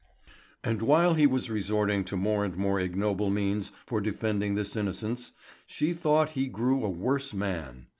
And while he was resorting to more and more ignoble means for defending this innocence, she thought he grew a worse man.